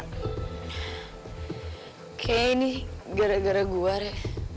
kayaknya ini gara gara gue re